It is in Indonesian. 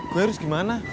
gue harus gimana